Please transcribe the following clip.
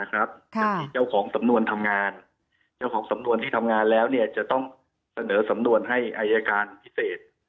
จากที่เจ้าของสำนวนทำงานเจ้าของสำนวนที่ทำงานแล้วจะต้องเสนอสำนวนให้อายการพิเศษ